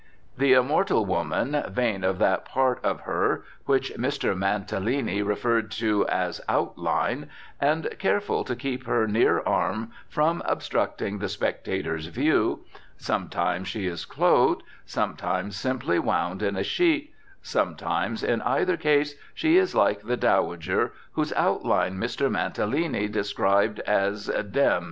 The immortal woman vain of that part of her which Mr. Mantalini referred to as "outline," and careful to keep her near arm from obstructing the spectator's view (sometimes she is clothed; sometimes simply wound in a sheet; sometimes, in either case, she is like the Dowager whose outline Mr. Mantalini described as "dem'd").